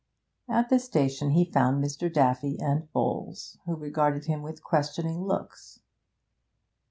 At the station he found Mr. Daffy and Bowles, who regarded him with questioning looks.